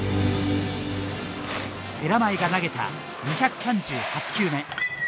寺前が投げた２３８球目。